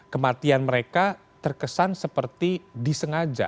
kematian mereka terkesan seperti disengaja